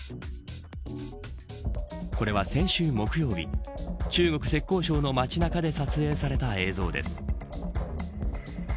これは、先週木曜日中国・浙江省の街中で撮影された映像です。